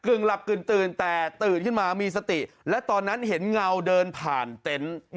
หลับกึ่งตื่นแต่ตื่นขึ้นมามีสติและตอนนั้นเห็นเงาเดินผ่านเต็นต์